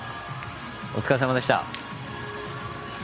お疲れさまでした。